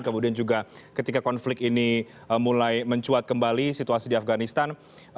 kemudian juga ketika konflik ini mulai mencuat kembali situasi di afganistan